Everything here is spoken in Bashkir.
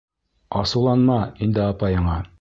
Асыуланма инде апайыңа.